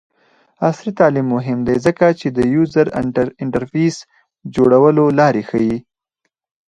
عصري تعلیم مهم دی ځکه چې د یوزر انټرفیس جوړولو لارې ښيي.